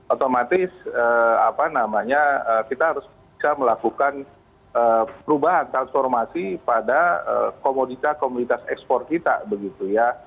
otomatis apa namanya kita harus bisa melakukan perubahan transformasi pada komoditas komoditas ekspor kita begitu ya